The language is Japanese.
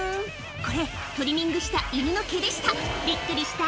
これ、トリミングした犬の毛でした。